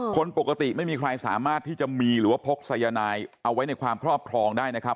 คนปกติไม่มีใครสามารถที่จะมีหรือว่าพกสายนายเอาไว้ในความครอบครองได้นะครับ